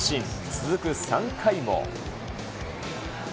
続く３回も。